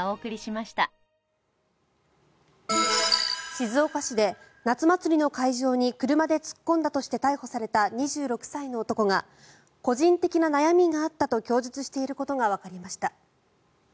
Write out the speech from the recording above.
静岡市で、夏祭りの会場に車で突っ込んだとして逮捕された２６歳の男が個人的な悩みがあったと供述していることがわかりました。